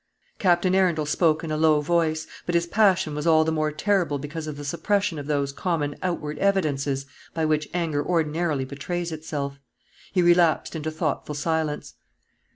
Captain Arundel spoke in a low voice; but his passion was all the more terrible because of the suppression of those common outward evidences by which anger ordinarily betrays itself. He relapsed into thoughtful silence.